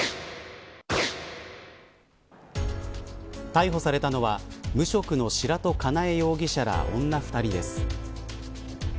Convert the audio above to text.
逮捕されたのは無職の白戸佳奈恵容疑者ら女２人です。